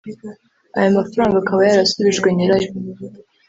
Aya mafaranga akaba yarasubijwe nyirayo